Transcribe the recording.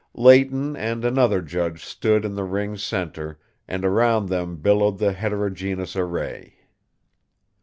Leighton and another judge stood in the ring's center, and around them billowed the heterogeneous array.